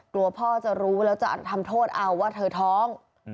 กลัวพ่อจะรู้แล้วจะทำโทษเอาว่าเธอท้อง